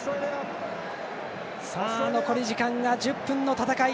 残り時間が１０分の戦い。